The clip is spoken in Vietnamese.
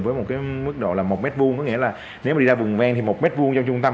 với một cái mức độ là một mét vuông có nghĩa là nếu mà đi ra vùng ven thì một mét vuông trong trung tâm